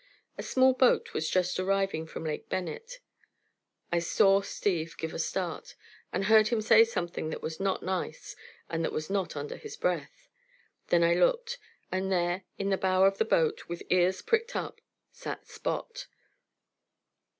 A small boat was just arriving from Lake Bennett. I saw Steve give a start, and heard him say something that was not nice and that was not under his breath. Then I looked; and there, in the bow of the boat, with ears pricked up, sat Spot.